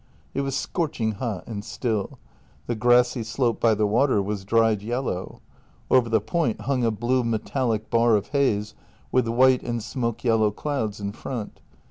It was scorching hot and still; the grassy slope by the water was dried yellow. Over the point hung a blue metallic bar of haze with white and smoke yellow clouds in front.